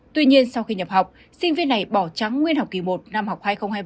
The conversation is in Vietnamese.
tuy nhiên sau khi nhập học sinh viên này bỏ trắng nguyên học kỳ một năm học hai nghìn hai mươi hai nghìn hai mươi